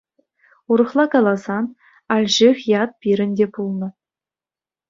Урӑхла каласан, Альших ят пирӗн те пулнӑ.